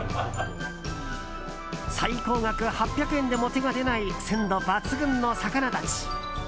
最高額８００円でも手が出ない鮮度抜群の魚たち。